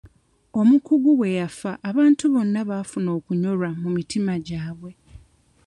Omukungu bwe yafa abantu bonna baafuna okunyolwa mu mitima gyabwe.